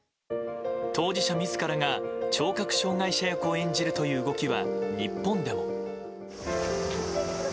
当事者自らが聴覚障害者役を演じるという動きは日本でも。